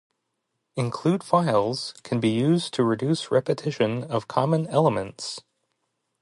Include files can be used to reduce repetition of common elements.